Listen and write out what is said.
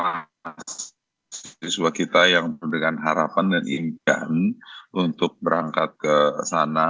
mahasiswa kita yang dengan harapan dan impian untuk berangkat ke sana